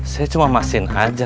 saya cuma maksin aja